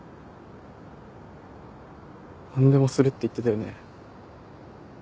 「何でもする」って言ってたよね？